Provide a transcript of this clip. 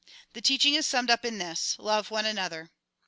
"The teaching is summed up in this — Love one another.